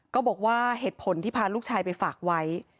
ก็บอกว่าเหตุผลที่พาลูกชายไปฝากไว้